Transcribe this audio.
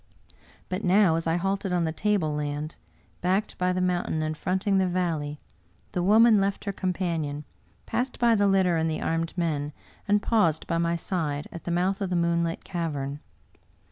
But now, as I halted on the tableland, backed by the mountain and fronting the valley, the woman left her cotn panion, passed by the litter and the armed men, and paused by my side, at the mouth of the moonlit cavern.